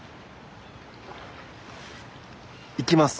行きます。